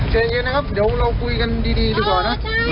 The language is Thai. เจ๋งเย็นนะครับเดี๋ยวเรากุยกันดีดีดีก่อนนะเออใช่